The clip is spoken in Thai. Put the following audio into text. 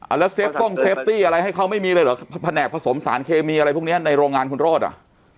แล้วเฟฟตรงเซฟตี้อะไรให้เขาไม่มีเลยเหรอแผนกผสมสารเคมีอะไรพวกเนี้ยในโรงงานคุณโรธอ่ะ